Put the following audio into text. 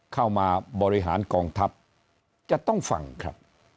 เข้ามาบริหารกองทัพจะต้องฟังครับ